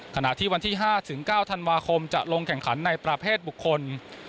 ขณะที่วันที่๕ถึง๙ธันวาคมจะลงแข่งขันในประเภทบุคคล